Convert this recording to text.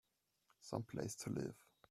Some place to live!